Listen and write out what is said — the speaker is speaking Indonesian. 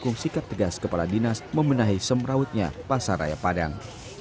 kepala dinas kota padang mendukung sikap tegas kepala dinas membenahi semrautnya pasaraya padang